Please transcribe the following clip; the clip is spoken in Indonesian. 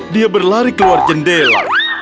dia berlari keluar jendela